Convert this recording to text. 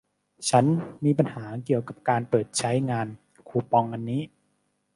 ฉันมีปัญหาเกี่ยวกับการเปิดใช้งานคูปองอันนี้